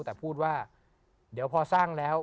แต่พูดว่าเดี๋ยวพอสร้างแล้ว